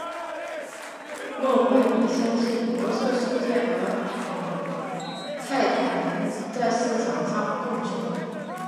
莫怀米相信魔兽世界和泰坦能在市场上共存。